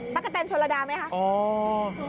ประกาศแทนชรดาไหม